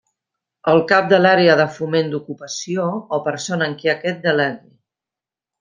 El cap de l'Àrea de Foment d'Ocupació o persona en qui aquest delegue.